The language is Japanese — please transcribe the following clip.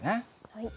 はい。